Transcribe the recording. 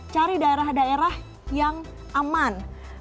cari daerah daerah yang aman